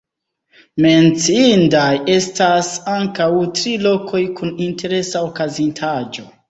Menciindaj estas ankaŭ tri lokoj kun interesa okazintaĵo.